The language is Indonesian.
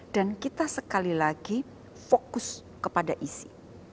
dan kita sekali lagi fokus kepada isi